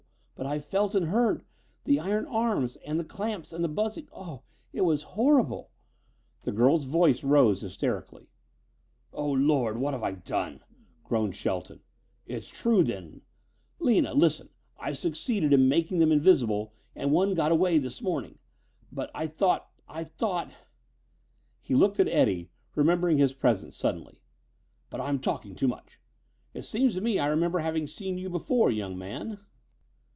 But I felt and heard the iron arms and the clamps and the buzzing. Oh, it was horrible!" The girl's voice rose hysterically. "Oh, Lord! What have I done?" groaned Shelton. "It's true, then. Lina, listen: I've succeeded in making them invisible, and one got away this morning. But I thought I thought " He looked at Eddie, remembering his presence suddenly. "But I'm talking too much. It seems to me I remember having seen you before, young man."